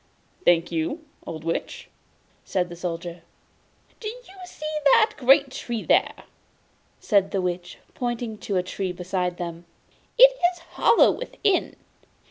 'Thank you, old Witch,' said the Soldier. 'Do you see that great tree there?' said the Witch, pointing to a tree beside them. 'It is hollow within.